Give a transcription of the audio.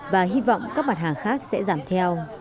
và hy vọng các mặt hàng khác sẽ giảm theo